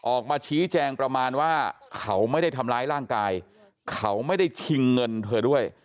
ออกมาชี้แจงประมาณว่าเขาไม่ได้ทำร้ายร่างกายเขาไม่ได้ชิงเงินเธอด้วย